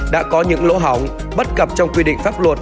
đã có những lỗ hỏng bất cập trong quy định pháp luật